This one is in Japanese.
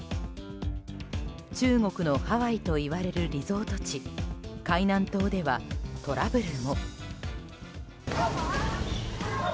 中国のハワイといわれるリゾート地海南島ではトラブルも。